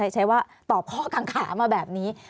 ใช้ว่าตอบข้อกังขามาแบบนี้